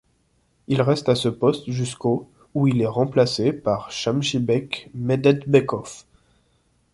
Il reste à ce poste jusqu'au où il est remplacé par Shamshybek Medetbekov.